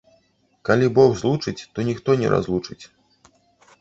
Калі Бог злучыць, то ніхто не разлучыць